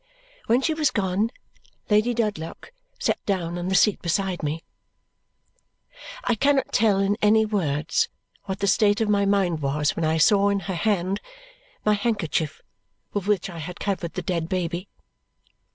When she was gone, Lady Dedlock sat down on the seat beside me. I cannot tell in any words what the state of my mind was when I saw in her hand my handkerchief with which I had covered the dead baby.